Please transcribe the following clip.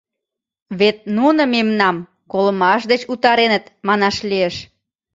Вет нуно мемнам колымаш деч утареныт, манаш лиеш.